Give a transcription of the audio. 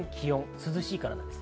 涼しいからです。